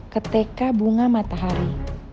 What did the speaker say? ke tk bunga matahari